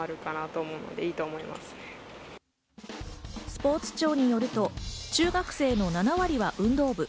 スポーツ庁によると、中学生の７割は運動部。